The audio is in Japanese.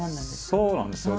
そうなんですよ。